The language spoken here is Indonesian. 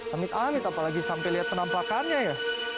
amit amit apalagi sampai lihat penampakannya ya